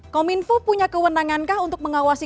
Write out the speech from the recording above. kominfo punya kewenangankah untuk mengawasi